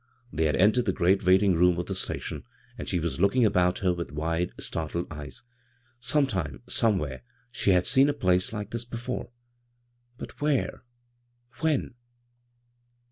They had entered the great waidng room of the station, and she was looking about her with wide, startled eyes. Some time, somewhere, she had seen a place like this before. But where ? When